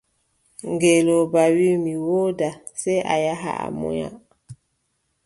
Ngeelooba wii : mi wooda, sey a yaha a munya.